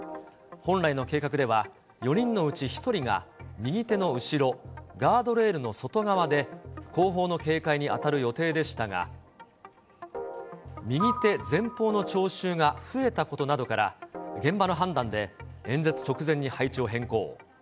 本来の計画では、４人のうち１人が、右手の後ろ、ガードレールの外側で、後方の警戒に当たる予定でしたが、右手前方の聴衆が増えたことなどから、現場の判断で、演説直前に配置を変更。